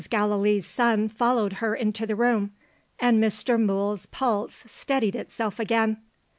Gallilee's son followed her into the room and Mr. Mool's pulse steadied itself again.